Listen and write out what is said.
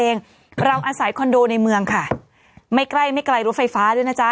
ในคอนโดในเมืองค่ะไม่ไกลไม่ไกลรถไฟฟ้าด้วยนะจ๊ะ